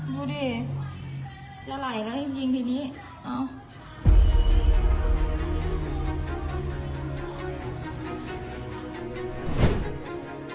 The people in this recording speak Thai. ดูดิจะไหลแล้วจริงจริงทีนี้เอ้า